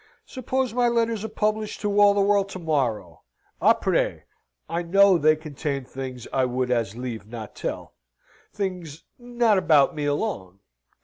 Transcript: "Suppose my letters are published to all the world to morrow? Apres? I know they contain things I would as lieve not tell. Things not about me alone.